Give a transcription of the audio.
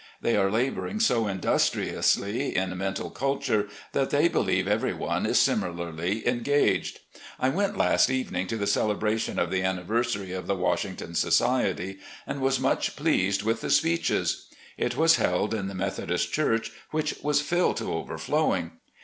They are labouring so industriously in mental culture that they believe every one is similarly engaged. I went last evening to the celebration of the anniversary 3 s 6 recollections op general lee of the Washington Society, and was much pleased with the speeches. It was held in the Methodist church, which was filled to overfiowing.